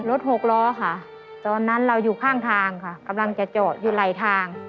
หกล้อค่ะตอนนั้นเราอยู่ข้างทางค่ะกำลังจะจอดอยู่ไหลทาง